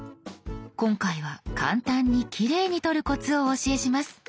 今回は簡単にきれいに撮るコツをお教えします。